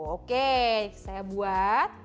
oke saya buat